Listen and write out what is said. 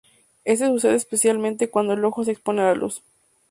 Este sucede especialmente cuando el ojo se expone a la luz.